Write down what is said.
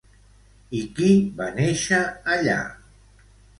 I qui va néixer allà?